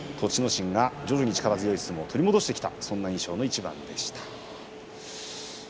心が徐々に力強い相撲を取り戻してきた印象の一番でした。